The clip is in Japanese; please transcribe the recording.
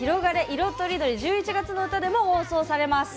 いろとりどり」１１月のうたでも放送されます。